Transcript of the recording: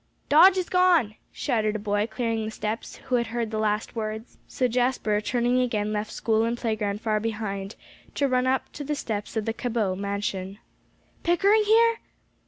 "Dodge has gone," shouted a boy clearing the steps, who had heard the last words. So Jasper, turning again, left school and playground far behind, to run up the steps of the Cabot mansion. "Pickering here?"